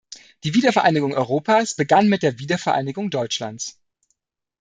Die Wiedervereinigung Europas begann mit der Wiedervereinigung Deutschlands.